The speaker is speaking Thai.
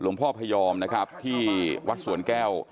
หลวงพ่อพยอมนะครับที่วัดสวนแก้ว